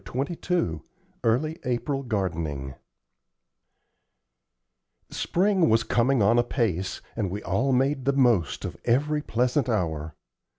CHAPTER XXII EARLY APRIL GARDENING Spring was coming on apace, and we all made the most of every pleasant hour.